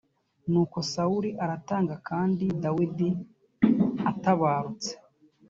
nuko sawuli aratanga kandi dawidi atabarutse